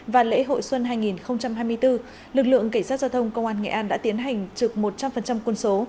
và lễ hội xuân hai nghìn hai mươi bốn lực lượng cảnh sát giao thông công an nghệ an đã tiến hành trực một trăm linh quân số